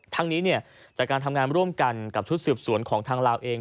ทั้งนี้จากการทำงานร่วมกันกับชุดสืบสวนของทางลาวเอง